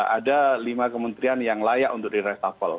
ada lima kementerian yang layak untuk diresafel